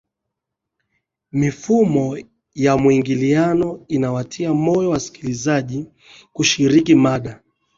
mifumo ya muingiliano inawatia moyo wasikilizaji kushiriki mada